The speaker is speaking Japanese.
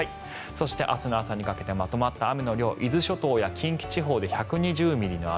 そして、明日の朝にかけてまとまった雨の量伊豆諸島や近畿地方で１２０ミリの雨